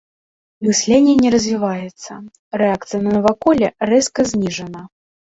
Мысленне не развіваецца, рэакцыя на наваколле рэзка зніжана.